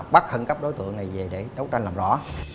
bắt khẩn cấp đối tượng này về để đấu tranh làm rõ